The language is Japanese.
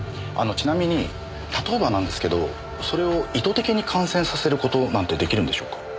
あのちなみに例えばなんですけどそれを意図的に感染させる事なんて出来るんでしょうか？